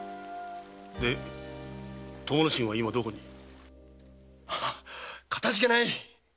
で友之進は今どこに？かたじけない！